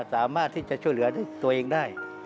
สามารถที่จะช่วยเหลือตัวเองได้